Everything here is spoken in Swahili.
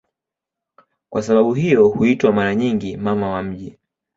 Kwa sababu hiyo huitwa mara nyingi "Mama wa miji".